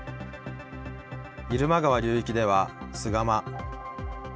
入間川流域では菅間。